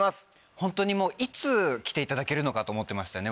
ホントにもういつ来ていただけるのかと思ってましたね